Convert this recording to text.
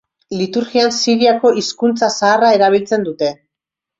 Liturgian Siriako hizkuntza zaharra erabiltzen dute.